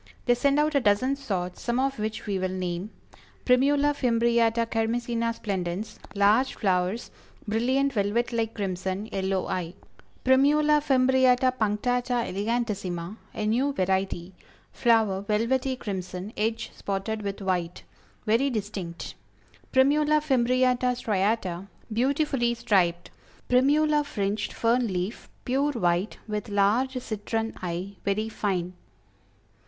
They send out a dozen sorts, some of which we will name: Primula Fimbriata Kermesina Splendens; Large flowers, brilliant velvet like crimson, yellow eye. Primula Frimbriata Punctata Elegantissima; a new variety; flower velvety crimson, edge spotted with white; very distinct. Primula Fimbriata Striata; beautifully striped. Primula Fringed, Fern Leaf; pure white, with large citron eye; very fine.